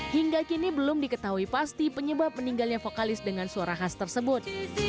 hingga kini belum diketahui pasti penyebab meninggalnya vokalis dengan suara khas tersebut